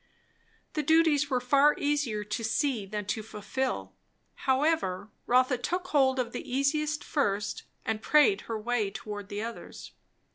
The duties were far easier to see than to fulfil; however, Rotha took hold of the easiest first, and prayed her way toward the others.